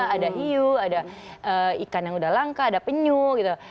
ada hiu ada ikan yang udah langka ada penyu gitu